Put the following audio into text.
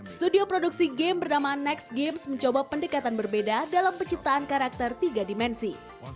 studio produksi game bernama next games mencoba pendekatan berbeda dalam penciptaan karakter tiga dimensi